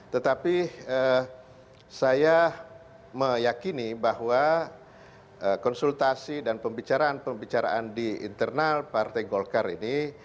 tetapi saya meyakini bahwa konsultasi dan pembicaraan pembicaraan di internal partai golkar ini